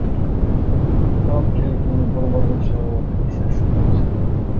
талапкерлигин Борбордук шайлоо комиссиясына көрсөттү.